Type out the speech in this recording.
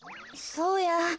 そうや。